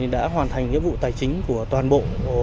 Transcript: đã hoàn thành nghĩa vụ tài chính của toàn bộ